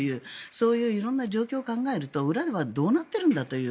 そういう色んな状況を考えると裏ではどうなってるんだという。